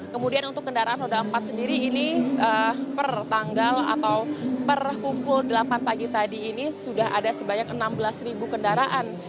kemudian untuk kendaraan roda empat sendiri ini per tanggal atau per pukul delapan pagi tadi ini sudah ada sebanyak enam belas kendaraan